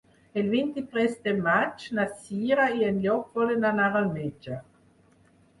El vint-i-tres de maig na Cira i en Llop volen anar al metge.